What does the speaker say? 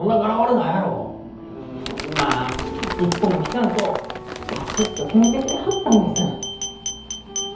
まあ一歩も引かんとパシッと決めてくれはったんです。